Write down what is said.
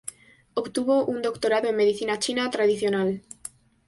Obtuvo un doctorado en Medicina china tradicional.